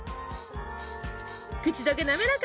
口溶けなめらか。